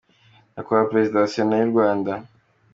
-Nyakubahwa Perezida wa Sena y’u Rwanda